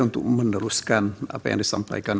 untuk meneruskan apa yang disampaikan